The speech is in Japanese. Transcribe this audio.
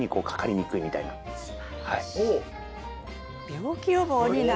病気予防になる。